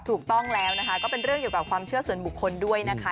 ถูกต้องแล้วนะคะก็เป็นเรื่องเกี่ยวกับความเชื่อส่วนบุคคลด้วยนะคะ